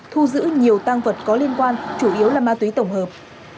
thu giữ nhiều tăng vật có liên quan chủ yếu là ma túy tổng hợp